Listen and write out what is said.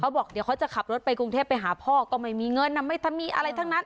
บอกเดี๋ยวเขาจะขับรถไปกรุงเทพไปหาพ่อก็ไม่มีเงินไม่ทำมีอะไรทั้งนั้น